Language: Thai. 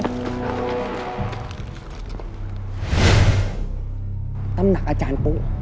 ตำหนักอาจารย์ปู